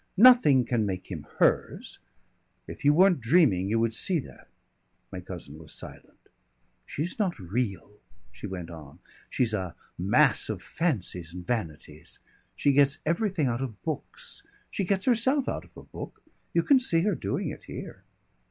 Nothing can make him hers. If you weren't dreaming you would see that." My cousin was silent. "She's not real," she went on. "She's a mass of fancies and vanities. She gets everything out of books. She gets herself out of a book. You can see her doing it here....